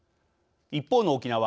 一方の沖縄。